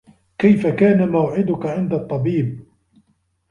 كيف كان موعدك عند الطّبيب؟